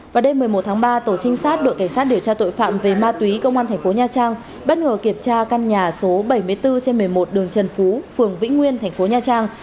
vào đêm một mươi một tháng ba tổ trinh sát đội cảnh sát điều tra tội phạm về ma túy công an thành phố nha trang bất ngờ kiểm tra căn nhà số bảy mươi bốn trên một mươi một đường trần phú phường vĩnh nguyên thành phố nha trang